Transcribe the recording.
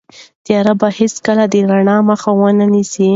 تیاره به هیڅکله د رڼا مخه ونه نیسي.